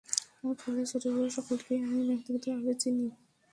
ফলে ছোট-বড় সকলকেই আমি ব্যক্তিগতভাবে চিনি।